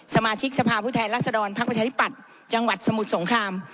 สมาชิกสภาพผู้แทนรัศดรพักประชาธิปัตย์จังหวัดสมุทรสงคราม